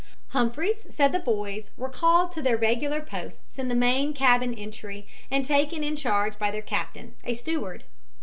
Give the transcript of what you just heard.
Humphreys said the boys were called to their regular posts in the main cabin entry and taken in charge by their captain, a steward.